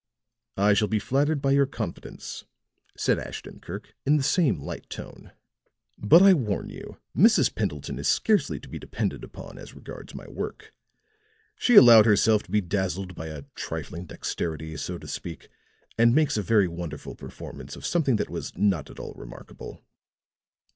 "I shall be flattered by your confidence," said Ashton Kirk in the same light tone. "But, I warn you, Mrs. Pendleton is scarcely to be depended upon as regards my work. She allowed herself to be dazzled by a trifling dexterity, so to speak, and makes a very wonderful performance of something that was not at all remarkable."